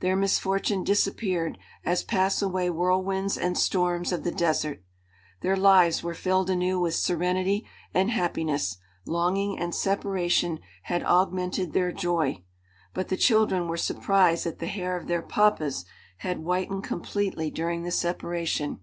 Their misfortune disappeared as pass away whirlwinds and storms of the desert. Their lives were filled anew with serenity and happiness; longing and separation had augmented their joy. But the children were surprised that the hair of their "papas" had whitened completely during the separation.